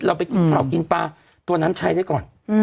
ไปกินข้าวกินปลาตัวนั้นใช้ได้ก่อน